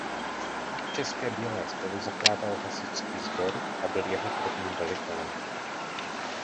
V České Bělé spoluzakládal hasičský sbor a byl jeho prvním velitelem.